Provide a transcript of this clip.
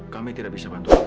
kami tidak bisa bantu apa apa